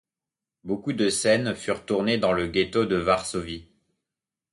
Beaucoup de scènes furent tournées dans le ghetto de Varsovie.